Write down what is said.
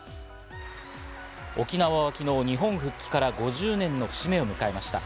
沖縄は昨日、日本復帰から５０年の節目を迎えました。